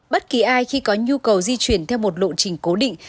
bất kỳ ai khi có nhu cầu di chuyển theo một lộ trình cố định